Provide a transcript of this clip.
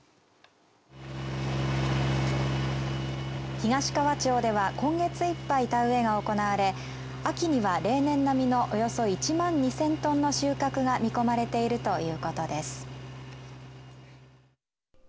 東川町では今月いっぱい田植えが行われ秋には例年並みのおよそ１万２０００トンの収穫が見込まれているということです。